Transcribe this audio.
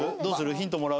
ヒントもらう？